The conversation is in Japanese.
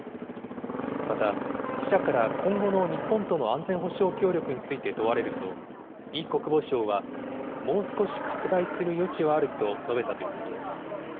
また、記者から今後の日本との安全保障協力について問われると、イ国防相は、もう少し拡大する余地はあると述べたということです。